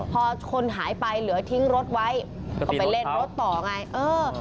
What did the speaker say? พอคนหายไปเหลือทิ้งรถไว้ก็ไปเล่นรถต่อไงเออ